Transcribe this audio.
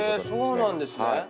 そうなんですね。